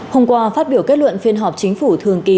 hôm qua phát biểu kết luận phiên họp chính phủ thường kỳ